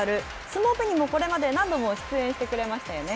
相撲部にもこれまで何度も出演してくれましたよね。